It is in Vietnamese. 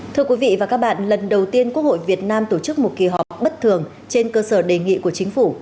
thưa quý vị và các bạn lần đầu tiên quốc hội việt nam tổ chức một kỳ họp bất thường trên cơ sở đề nghị của chính phủ